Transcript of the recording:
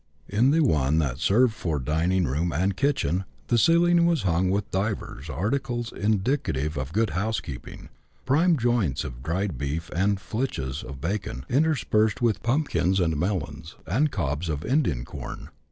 In the one that served for dining room and kitchen the ceiling was hung with divers articles in dicative of good housekeeping — prime joints of dried beef and flitches of bacon, interspersed with pumpkins and melons, and " cobs " of Indian corn.